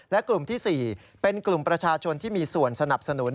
และกลุ่มที่๔เป็นกลุ่มประชาชนที่มีส่วนสนับสนุน